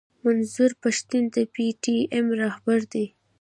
منظور پښتين د پي ټي ايم راهبر دی.